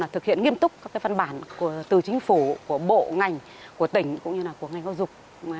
thực hiện nghiêm túc các phân bản từ chính phủ bộ ngành tỉnh cũng như ngành giáo dục